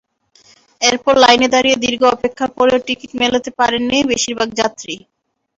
এরপর লাইনে দাঁড়িয়ে দীর্ঘ অপেক্ষার পরও টিকিট মেলাতে পারেননি বেশির ভাগ যাত্রী।